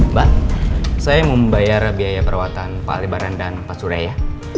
mbak saya mau membayar biaya perawatan pak libaran dan pak surya ya